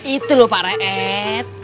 itu loh pak re'et